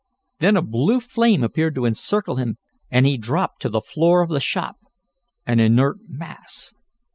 Then a blue flame appeared to encircle him and he dropped to the floor of the shop, an inert mass.